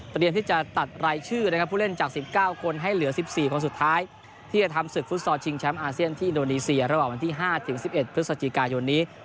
ที่จะตัดรายชื่อนะครับผู้เล่นจาก๑๙คนให้เหลือ๑๔คนสุดท้ายที่จะทำศึกฟุตซอลชิงแชมป์อาเซียนที่อินโดนีเซียระหว่างวันที่๕ถึง๑๑พฤศจิกายนนี้